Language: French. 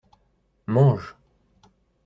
Mange.